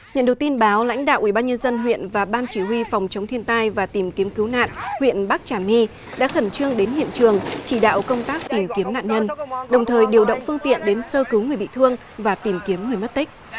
nhận được tin báo lãnh đạo ubnd huyện và ban chỉ huy phòng chống thiên tai và tìm kiếm cứu nạn huyện bắc trà my đã khẩn trương đến hiện trường chỉ đạo công tác tìm kiếm nạn nhân đồng thời điều động phương tiện đến sơ cứu người bị thương và tìm kiếm người mất tích